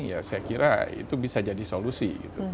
ya saya kira itu bisa jadi solusi